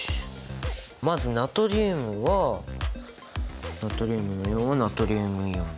まずナトリウムはナトリウムのイオンは「ナトリウムイオン」じゃない？